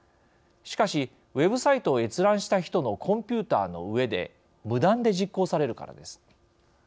しかし、ウェブサイトを閲覧した人のコンピューターの上で無断で実行されるからです。